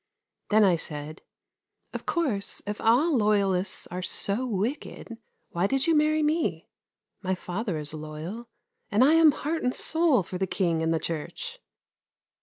Then I said: "Of course, if all loyalists are so wicked, why did you marry me? My father is loyal and I am heart and soul for the King and the Church."